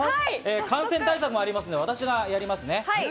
感染対策もあるので、私がやりますね。